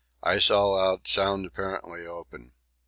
Ice all out, sound apparently open.